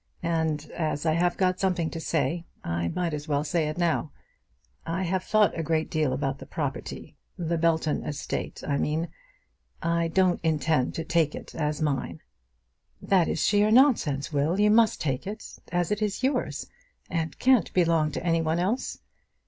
And as I have got something to say, I might as well say it now. I have thought a great deal about the property, the Belton estate, I mean; and I don't intend to take it as mine. "That is sheer nonsense, Will. You must take it, as it is yours, and can't belong to any one else."